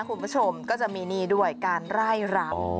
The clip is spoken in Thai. คุณผู้ชมก็จะมีนี่ด้วยการไล่รำ